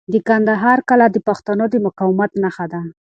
د کندهار کلا د پښتنو د مقاومت نښه ده.